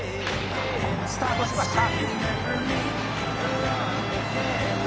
「スタートしました」